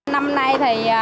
năm nay thì